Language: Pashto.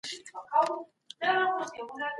د څرخ په واسطه د تار اوبدلو کار څنګه کيده؟